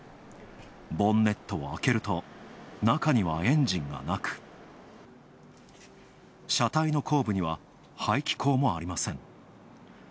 ボンネットを開けると、中にはエンジンがなく、車体の後部には、排気口もありません。